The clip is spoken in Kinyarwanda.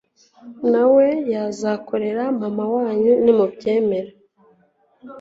nawe yazakorera mama wanyu nimubyemera